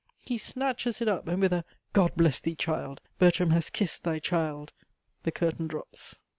He snatches it up, and with a "God bless thee, child! Bertram has kissed thy child," the curtain drops.